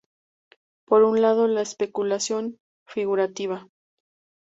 Por un lado la especulación figurativa.